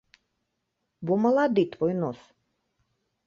Бо малады твой нос.